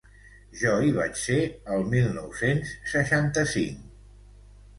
Jo hi vaig ser el mil nou-cents seixanta-cinc.